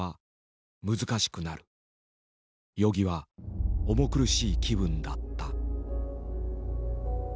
与儀は重苦しい気分だった。